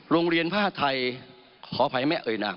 โรงเรียนภาษาไทย